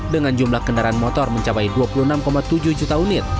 dengan jumlah kendaraan motor mencapai dua puluh enam tujuh juta unit